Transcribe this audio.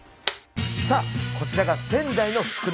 さあこちらが仙台の福の神